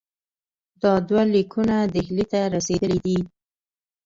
دا دوه لیکونه ډهلي ته رسېدلي دي.